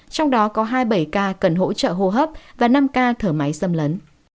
trong đó có hai mươi bảy ca cần hỗ trợ hô hấp và năm ca thở máy xâm lấn